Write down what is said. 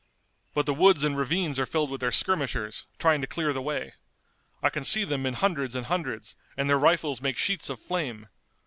But the woods and ravines are filled with their skirmishers, trying to clear the way. I can see them in hundreds and hundreds, and their rifles make sheets of flame.